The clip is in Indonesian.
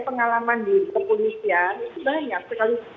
pengalaman di kepolisian itu banyak sekali